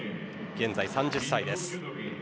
現在３０歳です。